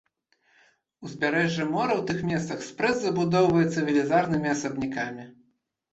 Узбярэжжа мора ў тых месцах спрэс забудоўваецца велізарнымі асабнякамі.